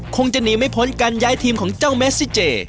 คงจะหนีไม่พ้นการย้ายทีมของเจ้าเมซิเจ